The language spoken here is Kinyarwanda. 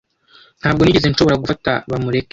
Ntabwo nigeze nshobora gufata Bamureke.